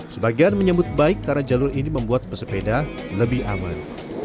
sebagian menyambut baik karena jalur ini membuat pesepeda lebih aman